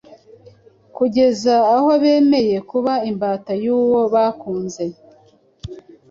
kugeza aho bemeye kuba imbata y’uwo bakunze